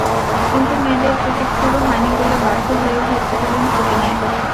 কিন্তু মেয়েদের ক্রিকেট শুরু হয়নি বলে বাধ্য হয়ে ভর্তি হলেন শুটিংয়ে।